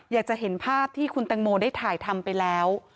อยากจะเห็นภาพที่คุณแตงโมได้ถ่ายทำไปแล้ว